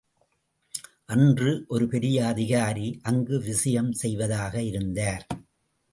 அன்று ஒரு பெரிய அதிகாரி அங்கு விஜயம் செய்வதாக இருந்தார்.